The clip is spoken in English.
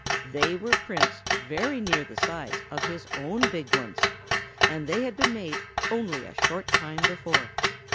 They were prints very near the size of his own big ones, and they had been made only a short time before.